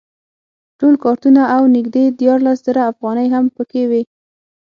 ټول کارتونه او نږدې دیارلس زره افغانۍ هم په کې وې.